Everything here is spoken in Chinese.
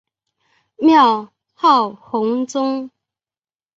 庙号弘宗。